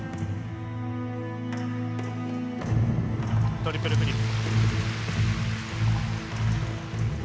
トリプルフリップ。